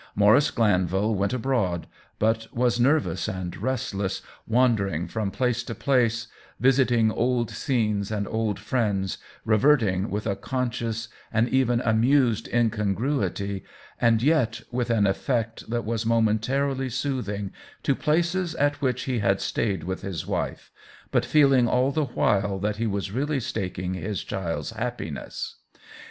Maurice Glanvil went 90 THE WHEEL OF TIME abroad, but was nervous and restless, wan dering from place to place, revisiting old scenes and old friends, reverting, with a conscious, an even amused incongruity, and yet with an effect that was momentarily soothing, to places at which he had stayed with his wife, but feeling all the while that he was really staking his child's happiness.